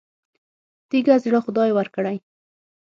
تیږه زړه خدای ورکړی.